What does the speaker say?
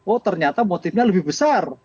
oh ternyata motifnya lebih besar